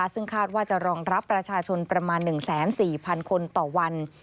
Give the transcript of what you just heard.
ซึ่งคาดว่าจะรองรับประชาชนประมาณ๑๔๐๐๐คนต่อวัน